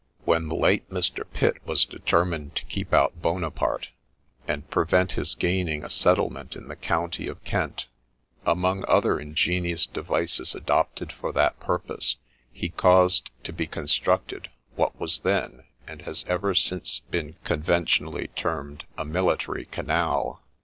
When the late Mr. Pitt was determined to keep out Buona parte, and prevent his gaining a settlement in the county of Kent, among other ingenious devices adopted for that purpose, he caused to be constructed what was then, and has ever since been conventionally termed a ' Military Canal.'